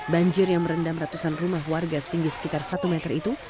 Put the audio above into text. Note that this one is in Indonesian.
banjir yang merendam ratusan rumah warga setinggi sekitar satu meter itu